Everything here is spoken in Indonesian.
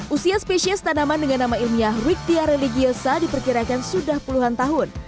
usia spesies tanaman dengan nama ilmiah ruktia religiosa diperkirakan sudah puluhan tahun